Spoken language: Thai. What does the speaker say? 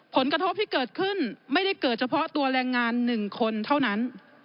ผลกระทบที่เกิดขึ้นไม่ได้เกิดเฉพาะตัวแรงงาน๑คนเท่านั้น